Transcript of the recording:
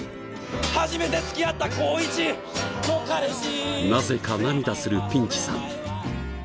初めて付き合った高１の彼氏なぜか涙するピンチさん